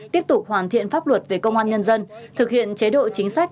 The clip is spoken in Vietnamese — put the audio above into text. tiếp tục hoàn thiện pháp luật về công an nhân dân thực hiện chế độ chính sách